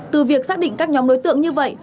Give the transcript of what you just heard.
từ việc xác định các nhóm đối tượng như vậy